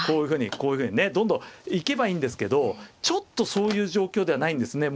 こういうふうにねどんどん行けばいいんですけどちょっとそういう状況ではないんですね。